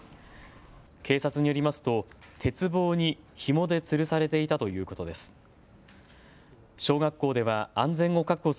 警察によりますと、鉄棒にひもでつるされていたということです。